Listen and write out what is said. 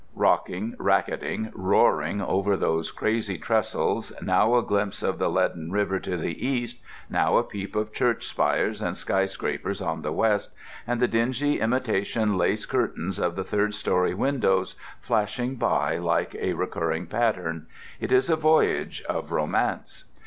Rocking, racketing, roaring over those crazy trestles, now a glimpse of the leaden river to the east, now a peep of church spires and skyscrapers on the west, and the dingy imitation lace curtains of the third story windows flashing by like a recurring pattern—it is a voyage of romance!